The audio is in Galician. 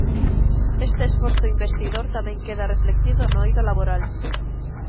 Este esforzo investidor tamén queda reflectido no eido laboral.